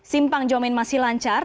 simpang jomin masih lancar